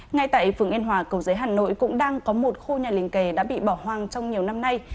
ngay tại phường yên hòa cầu giấy hà nội cũng đang có một khu nhà liền kề đã bị bỏ hoang trong nhiều năm nay